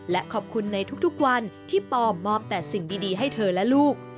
และขอบคุณในทุกวันที่ปอมมอบแต่สิ่งดีให้เธอและลูก